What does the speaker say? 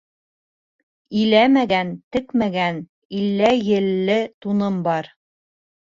Иләмәгән, текмәгән, иллә елле туным бар.